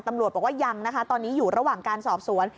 ตำรวจบอกว่ายังนะคะตอนนี้อยู่ระหว่างการสอบสวน